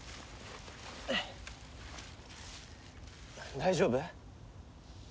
大丈夫？